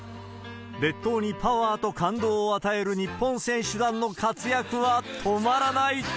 列島にパワーと感動を与える日本選手団の活躍は止まらない。